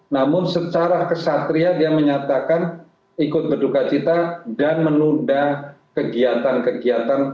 namun secara kesatria dia menyatakan ikut berduka cita dan menunda kegiatan kegiatan